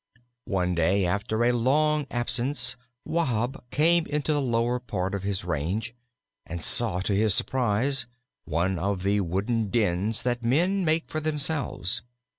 III One day after a long absence Wahb came into the lower part of his range, and saw to his surprise one of the wooden dens that men make for themselves.